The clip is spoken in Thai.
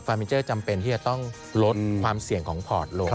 มินเจอร์จำเป็นที่จะต้องลดความเสี่ยงของพอร์ตลง